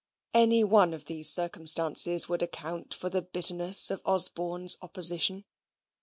Any one of these circumstances would account for the bitterness of Osborne's opposition.